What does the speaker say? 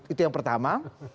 itu yang pertama